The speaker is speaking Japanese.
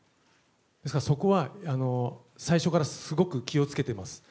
ですから、そこは最初からすごく気をつけています。